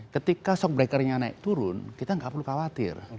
ketika shock breakernya naik turun kita nggak perlu khawatir